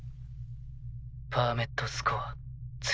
パーメットスコア２。